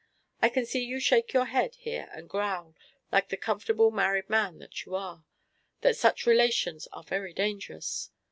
I can see you shake your head here and growl, like the comfortable married man that you are, that such relations are very dangerous.